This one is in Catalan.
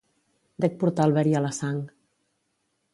Dec portar el verí a la sang.